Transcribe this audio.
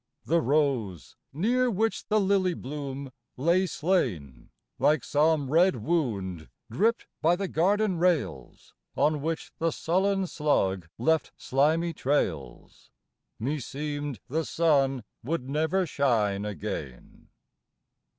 The rose, near which the lily bloom lay slain, Like some red wound dripped by the garden rails, On which the sullen slug left slimy trails Meseemed the sun would never shine again.